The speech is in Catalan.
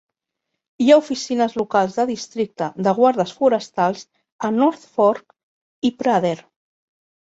Hi ha oficines locals de districte de guardes forestals a North Fork i Prather.